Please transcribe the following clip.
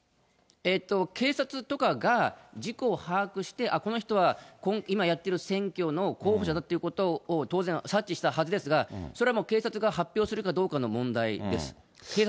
警察とかが事故を把握して、あっ、この人は今やってる選挙の候補者だということを当然、察知したはずですが、それはもう警察が発表するかどうかの問題です。